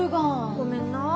ごめんな。